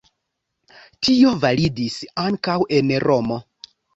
Tio validis ankaŭ en Romo.